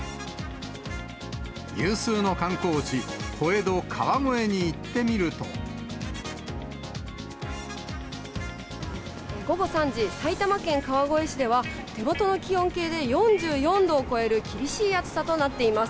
有数の観光地、午後３時、埼玉県川越市では、手元の気温計で４４度を超える厳しい暑さとなっています。